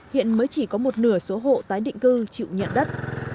hiện mới chỉ có một nửa số hộ tái định cư chịu nhận đất